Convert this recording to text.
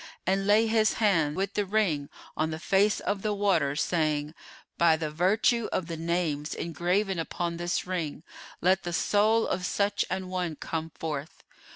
and lay his hand with the ring on the face of the water, saying, 'By the virtue of the names engraven upon this ring, let the soul of such an one come forth!